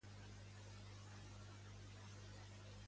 De què és déu?